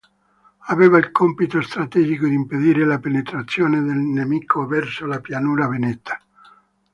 Aveva il compito strategico di impedire la penetrazione del nemico verso la pianura veneta.